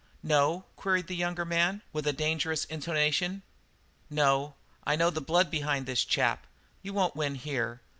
"No?" queried the younger man, with a dangerous intonation. "No. I know the blood behind that chap. You won't win here.